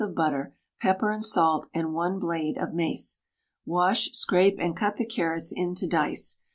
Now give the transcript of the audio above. of butter, pepper and salt, and 1 blade of mace. Wash, scrape, and cut the carrots into dice.